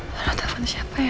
mana telepon siapa ya